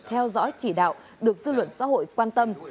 theo dõi chỉ đạo được dư luận xã hội quan tâm